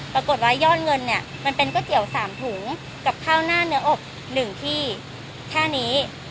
ยอดเงินเนี่ยมันเป็นก๋วยเตี๋ยว๓ถุงกับข้าวหน้าเนื้ออบ๑ที่แค่นี้